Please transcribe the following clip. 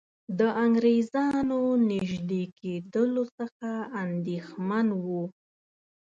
د انګریزانو نیژدې کېدلو څخه اندېښمن وو.